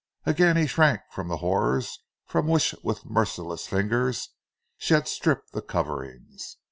Again he shrank from the horrors from which with merciless fingers she had stripped the coverings.